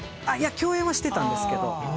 共演はしてたんですけど。